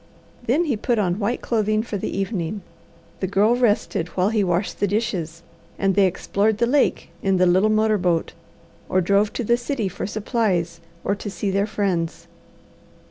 Then he put on white clothing for the evening. The Girl rested while he washed the dishes, and they explored the lake in the little motor boat, or drove to the city for supplies, or to see their friends.